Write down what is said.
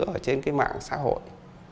ở trên cái mạng xã hội